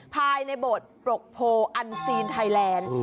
ภายในโบสถปรกโพอันซีนไทยแลนด์